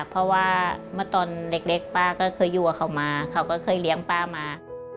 เพราะว่าเมื่อตอนเล็กป้าก็เคยอยู่กับเขามาเขาก็เคยเลี้ยงป้ามา